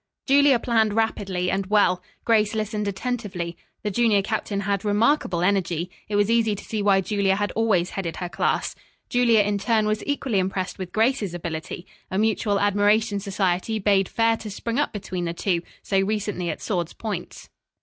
Julia planned rapidly and well. Grace listened attentively. The junior captain had remarkable energy. It was easy to see why Julia had always headed her class. Julia in turn, was equally impressed with Grace's ability. A mutual admiration society bade fair to spring up between the two, so recently at swords' points.